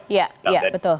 iya iya betul betul